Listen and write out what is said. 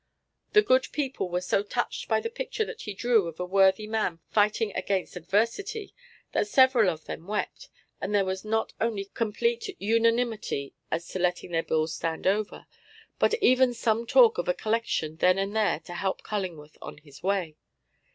The good people were so touched by the picture that he drew of a worthy man fighting against adversity that several of them wept, and there was not only complete unanimity as to letting their bills stand over, but even some talk of a collection then and there to help Cullingworth on his way.